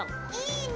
いいね。